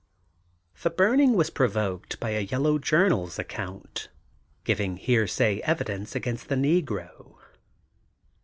The burning was provoked by a yellow jour naPs account, giving hear say evidence against the negro.